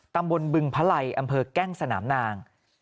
ตำบลบึงภาลัยอำเภอกแก้งสนามนาง